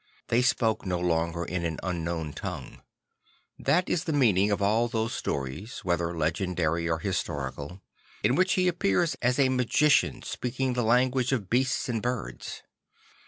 They spoke no longer in an unknown tongue. That is the meaning of all those stories, whether legendary or his torical, in which he appears as a magician speaking the language of beasts and birds.